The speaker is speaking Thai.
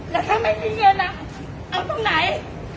แล้วทำยังไง